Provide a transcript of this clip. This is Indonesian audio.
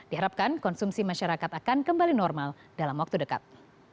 diharapkan konsumsi masyarakat akan kembali normal dalam waktu dekat